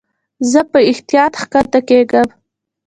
زه په احتیاط کښته کېږم.